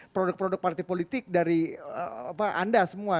produk produk partai politik dari anda semua